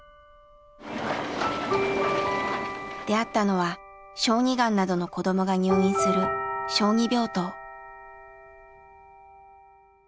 出会ったのは小児がんなどの子どもが入院する小児病棟。